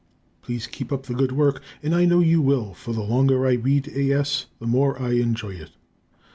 Please keep up the good work; and I know you will, for the longer I read A. S. the more I enjoy it.